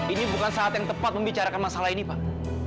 ini bukan saat yang tepat membicarakan masalah ini pak